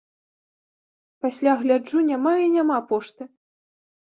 Пасля гляджу, няма і няма пошты.